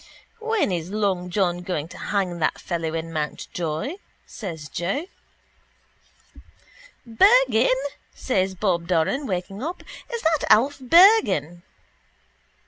—When is long John going to hang that fellow in Mountjoy? says Joe. —Bergan, says Bob Doran, waking up. Is that Alf Bergan?